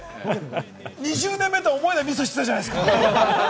２０年目とは思えないミスしたじゃないですか！